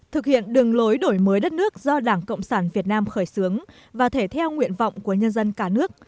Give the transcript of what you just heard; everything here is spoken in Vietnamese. thực hiện đường lối đổi mới đất nước do đảng cộng sản việt nam khởi xướng và thể theo nguyện vọng của nhân dân cả nước